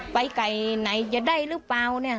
ไปไก่ไหนจะได้หรือเปล่าเนี่ย